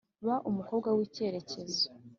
Ba umukobwa wikerekezo